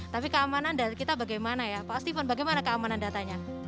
tapi keamanan dari kita bagaimana ya pak steven bagaimana keamanan datanya